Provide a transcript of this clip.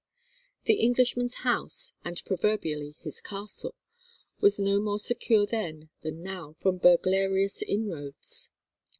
The Englishman's house, and proverbially his castle, was no more secure then than now from burglarious inroads.